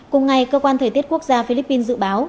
cùng ngày cơ quan thời tiết quốc gia philippines dự báo